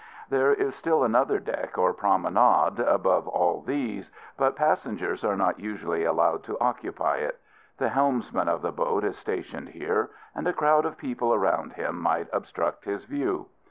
There is still another deck or promenade above all these, but passengers are not usually allowed to occupy it. The helmsman of the boat is stationed here, and a crowd of people around him might obstruct his view.